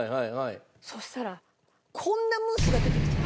そしたらこんなムースが出てきちゃって。